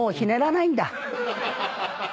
なーんだ。